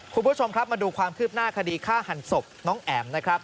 คุณผู้ชมครับมาดูความคืบหน้าคดีฆ่าหันศพน้องแอ๋มนะครับ